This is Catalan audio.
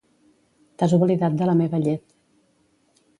T'has oblidat de la meva llet.